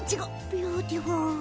ビューティフル。